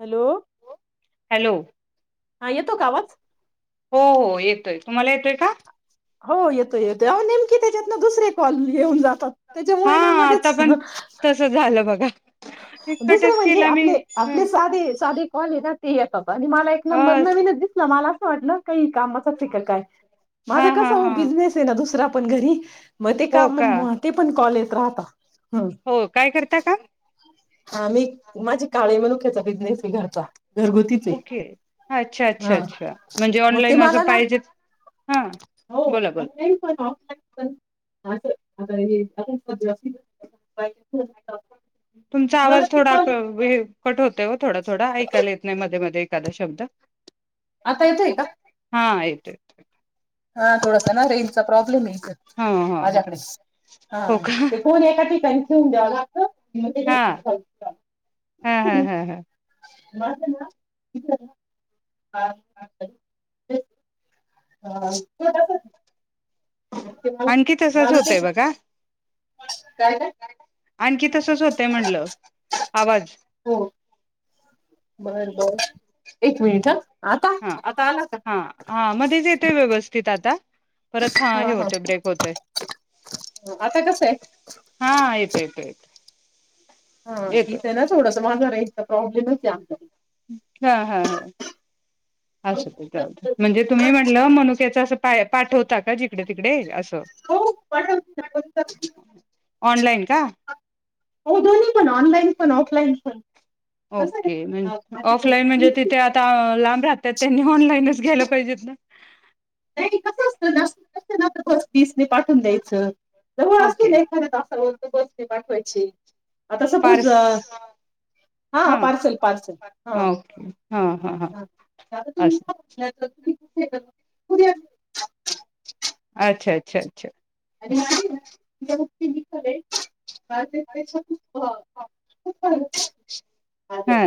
Hello hello हा येतो का आवाज? हो हो येतोय तुम्हाला येतोय? का हो येतो येतोय अ नेमकी त्याच्यात ना दुसरे कॉल येऊन जातात त्याच्या हा आता वहिनामध्येच पण तस झालं बघा दुसरे एककटच म्हणजे केला मी आपले ह आपले साधे साधे कॉल द ती आहे. आणि मला एक नंबर अस नवीनच दिसला मला [unintelligible] काही कामाचाच का काय हा माझं कस हा हा बिझनेस आहे ना दुसरा पण घरी मग ते हो काम का ते पण कॉलेज राहता हो काय करता का आ मी माझे का ण्याचा बिझनेसी घरचा घरगुतीच आहे. ओके अच्छा अच्छा हा अच्छा म्हणजे मग ते ऑनलाईन असं मला ना पाहिजे हा बोला बोला अस आता हे तुमचा मला आवाज ती थोडा कॉल कट होतय थोडा थोडा ऐकायला येत नाही मध्ये मध्ये कदा शब्द आता येतोय का हा य य हा थोडस ना रेंज चा प्रॉब्लेम आहे ह ह ह माझ्याकडे हा हो का ते फोन एका ठिकाणी होड हा ह ह ह ह झ ना ना ह ह थोडसं आणखी तसच होतय मानसिक बघा काय काय? आणखी तसच होतंय म्हटल आवाज हो बर बर एक मिनिट ह आता हा आता आला का? हा हा मध्येच येतोय व्यवस्थित आता परत हा हे होत ब्रेक होतय आता कसं आहे हा येतो येतो येतो हा येतो इथ ना थोडंस मांजर आहे. प्रॉब्लेमच जा हा हा हा असुदे चालतय म्हणजे तुम्ही म्हंटलं मनुक्याच अ पाठवता का जे इकडे तिकडे अस हो पाठवते ऑनलाइन का? हो दोन्ही पण ऑनलाईन पण ऑफलाईन पण कसं ओके आहे ऑफलाईन म्हणजे तिथे आता लांब राहत्यात त्यांनी ऑनलाईनच घ्यायला पाहिजेत नाही कसं असतं नाशिक [unintelligible] ना बस तीसने पाठवून द्यायचं जवळ असते ओके ना एखादया तासाला बसणे पाठवायची आता सपोज पार्स हा पार्सल पार्सल हा ओके हा हा हा [inaudible] असं हे [unintelligible] उद्या.. [inaudible] अच्छा अच्छा अच्छा आणि [unintelligible] [inaudible] [unintelligible] पैसा खूप [unintelligible] खूप आलेत [unintelligible] हा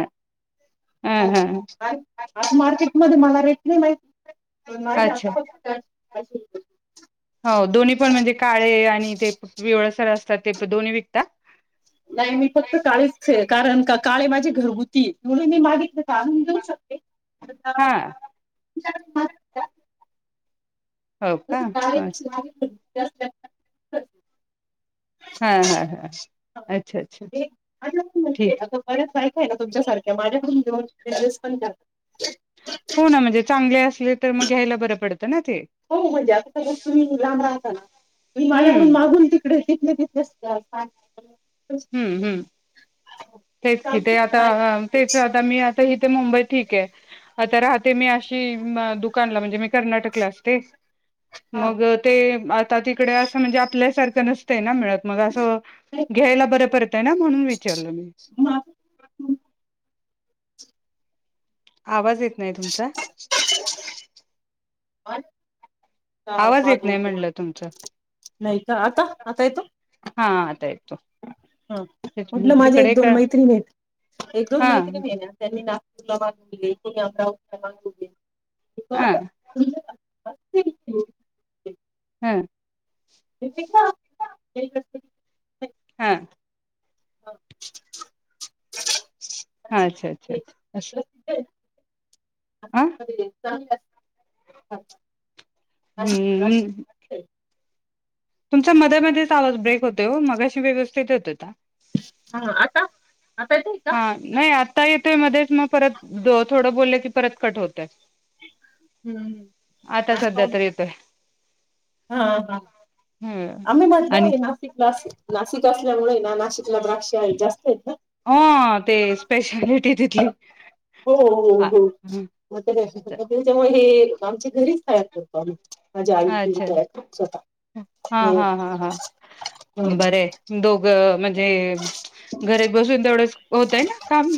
हा हो हा हो आज, आज मार्केटमध्ये मला रेट नाही माहिती. माझे अच्छा आता फक्त [unintelligible] [unintelligible] हो दोन्ही पण म्हणजे काळे, आणि ते पिवळसर असतात ते दोन्ही विकता? नाही मी फक्त काळेच आहे. कारण का काळे माझे घरघु ती म्हणू मी मागितलं तर आणून देऊ शकते. हा [unintelligible] [unintelligible] हो का तं [unintelligible] [unintelligible] हा हा हा अच्छा, अच्छा, अच्छा, हे आणि म्हणजे ठीक. आता [unintelligible] ना तुमच्यासारख्या माझ्याकडून घेऊन बिझनेस पण करतात. हो ना, म्हणजे चांगले असले तर मग घ्यायला बरं पडत. हो म्हणजे आता [unintelligible] तुम्ही लांब राहता तुम्ही हम्म माझ्याकडून मागून तिकडे तिथले तिथले [unintelligible] हम्म हम्म. तेच कि ते आता बायका. अ तेच आता मी इथे मुंबई ठीक आहे. आता राहते मी अशी म दुकानाला म्हणजे मी कर्नाटकला असते. हा मग ते आता तिकडे असं म्हणजे आपल्यासारखं [unintelligible] ना मिळत. मग असं नाही घ्यायला बर परतय ना म्हणून विचारलं मी माझं [inaudible] आवाज येत नाही तुमचा. [unintelligible] [unintelligible] आवाज येत नाही मागवले म्हणलं तुमचा नाही का? आता- आता येतो? हा आता येतो हा- तेच मी म्हटलं माझ्या एक तिकडे दोन का मैत्रिणी आहेत. एक दोन हा मैत्रिणी आहे ना त्यांनी ना [unintelligible] वा! हा तुमचं का? बसतय की हम का हा हा अच्छा अच्छा अच्छा अ [unintelligible] हम्म हम् तुमच्या मध्ये मध्येच आवाज ब्रेक होतोय हो मगाशी व्यवस्थित येत होता. हा आता? आता येतोय हा का नाही आता येतोय मध्येच मग परत थोडं बोललं की परत कट होतय. काय आता सध्या प्रॉब्लेम तरी येतोय. हा हा हम्म आम्ही म्हटलं आणि आहे नासिकला नाशिक असल्यामुळे ना नाशिकला द्राक्ष आहे जास्त ना हो ते स्पेशालिटी तिथली हो हो हा हो म त्याच्यामुळे हे आमच्या घरीच तया करतो आम्ही माझी आई वगैरे अच्छा तयार करते स्वतः हा हा हा हा बर दोघ म्हणजे घरीात बसून तेवढंच होतय ना काम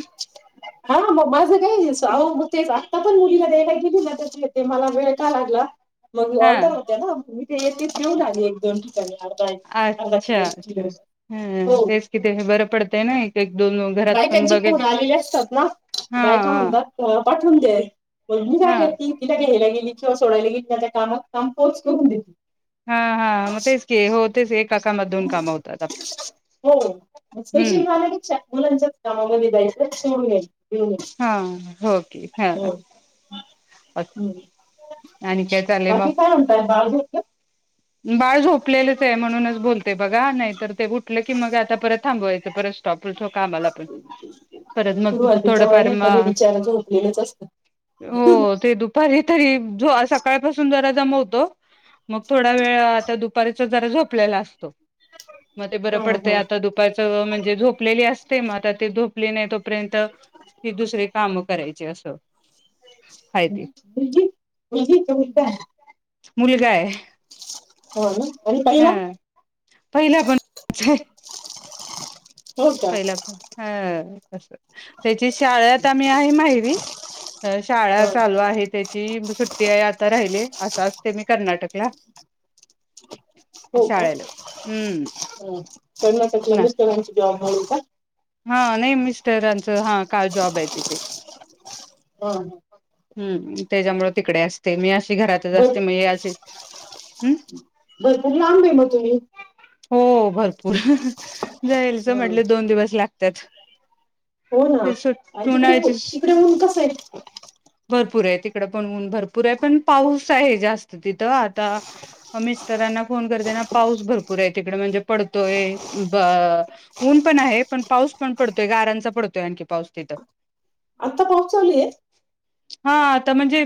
हा म माझं काय ह मग तेच आत्ता पण मुलीला द्यावायला गेली ना त्याच्या ते मला वेळ का लागला मग हा ऑर्डर होत्या ना मी ते येतेच देऊ लागली एक दोन ठिकाणी अर्धा अर्धा किलो अच्छा एक अच्छा किलो हो ह तेच कि ते बरं पडतंय ना एक एक दोन घरात पण बायकांची बघेल फोन आलेले असतात ना हा बायका हा म्हणतात पाठून दे पण मी हा काय तती तिथ घ्यायला गेली सोडायला की त्याच्या कामात काम पोच करून देते हा हा म तेच की हो तेच एकाकामात दोन काम होतात आप हो हम्म त्यामामध्ये जायचं शवून गेईल हम् हा हो की हा हो आणि काय बाकी काय म्हणतय बाू बाय झोप ले म्हणून बोलते बघा नाही तर ते उठल की मग आ परत थांबवायच परत स्टॉप कामाला परत मग सुरुवातीच्या थोडफार महिन्यांमध्ये बिचार झोपलेलंच असतं. हो ते दुप तरी ज सकाळपासून जरा दमवतो- मग थोड- अ आता दुपारीचा जरा झोपलेला असतो. म ते बरं हा पडतंय हा आता दुपार- म्हणजेझोप - लेली असते मग आता ते धूप- आपली नाही तोपर्यंत ही दुसरे काम करायची असं. हाय ती [unintelligible] मुलगाय. हो. आणि काहीला? पहिला पण- हो का पहिला पन हा. असं. त्याची शाळत, आम्ही आहे माहिरी, शाळा ह चालू आहे त्याची सुट्टी आहे आता राहिली- असं असते मी कर्नाटकला- हो का? शाळेला हम्म कर्नाटकला मिस्टरांची जॉब- हो का? हा, नाही मिस्टरांचं हा काय जॉब आहे तिथे- हम ह. हम्- त्याच्यामुळे तिकडे असते मी- घरातच बर, असते मग अशी हम्म भरपूर लांब आहे मग तुम्ही- हो भरपूर. जायचं हा म्हटले दोन दिवस ला- तेच - हो ना आणि तिकडे- तिकडे ऊन कसय? हो भरपूर आहे, तिकडं पण भरपूर आहे पण पाऊस आहे जास्त तिथ- आता, मिस्टरांना फोन [unintelligible] पाऊस भर- बरंय तिकडे म्हणजे पडतोय, ऊन पण आहे पण, पाऊस पण पडतोय गारांचा पडतोय आणखी पाऊस तिथं. आता पाहोचवली आहे? हा आता म्हणजे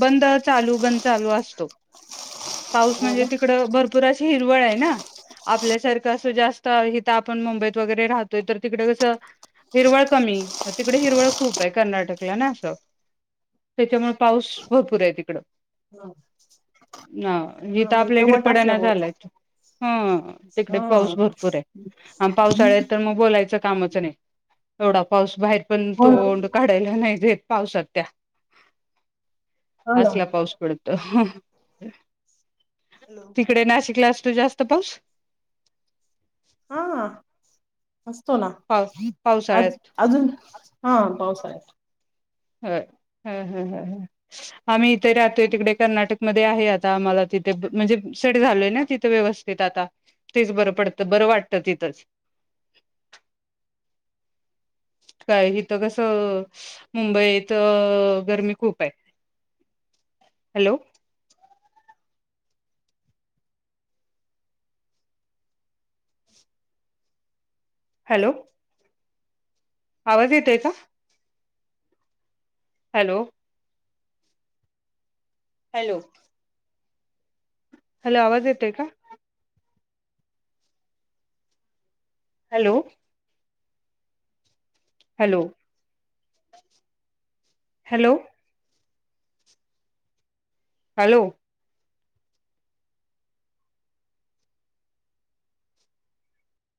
बंद चालू बंद चालू असतो. पाऊस हो म्हणजे ना. तिकडं भर- पुरशी हिरवळ आहे ना? आपल्यासारखं असं जास्त इथं आपण मुंबईत वगैरे राहतोय तर तिकडे कसं हिरवळ कमी तिकडे हिरवळ खूप आहे कर्नाटकला ना असं- त्याच्यामुळे पाऊस भरपूर आहे तिकडं. -ना आणि हा इथं म्हणजे आपल्या इकडे दमट पडना असल्यामुळे झालाय. ह- तिकडे हा पाऊस भरपूर आहे. आणि पावसाळ्यात तर मग बोलायचं- कामाच नाही एवढा पाऊस बाहेर पण हो ना तोंड काढायला नाही देत पाऊसात त्या हो ना असला पाऊस पडत ह हॅलो तिकडे नाशिकला तो जास्त पाऊस हा असतो ना पाव अज पावसाळ्यात अजून हा पाऊसळ्यात आहे ह ह ह ह आम्ही इथे राहतोय तिकडे कर्नाटक मध्ये आहे आता आम्हाला तिथे म्हणजे सड झालोय ना तिथं व्यवस्थित आता तेच बरं पडत बरं वाटत तिथच काय हथ कस मुंबईत गरमी खूप आहे हॅलो हॅलो आवाज येतय का हॅलो हॅलो हॅलो आवाज येतय का हॅलो हॅलो हॅलो हॅलो